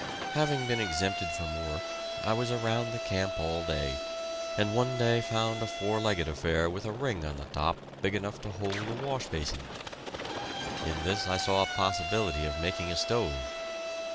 Having been exempted from work, I was around the camp all day, and one day found a four legged affair with a ring on the top big enough to hold a wash basin. In this I saw a possibility of making a stove.